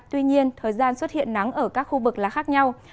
tuy nhiên thời gian xuất hiện nắng ở các khu vực là khác nhau